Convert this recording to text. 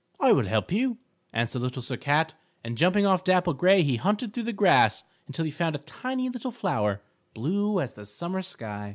"I will help you," answered Little Sir Cat, and, jumping off Dapple Gray, he hunted through the grass until he found a tiny, little flower, blue as the summer sky.